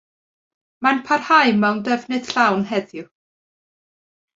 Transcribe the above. Mae'n parhau mewn defnydd llawn heddiw.